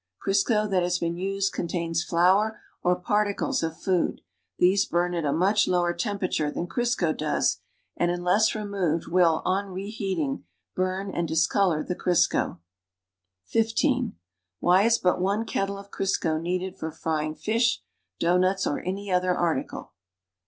Crisco that has been used contains flour or particles of food; these burn at a much lower temperature than Crisco does and luiless removed will, on reheating', burn and discolor the Crisco. (15) Why is but one kettle of Crisco needed for frying fish, doughnuts or any other article.'